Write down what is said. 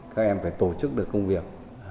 các em phải tổ chức được công việc